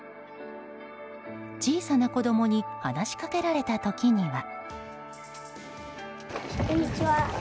小さな子供に話しかけられた時には。